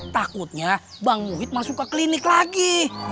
takutnya bang wit masuk ke klinik lagi